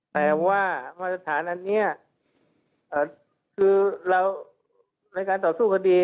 แต่ว่ามาตรฐานอันนี้คือเราในการต่อสู้คดี